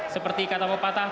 seperti kata pepatah